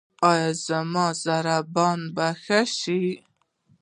ایا زما ضربان به ښه شي؟